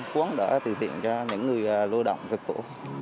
cuốn đã từ tiện cho những người lao động cực cổ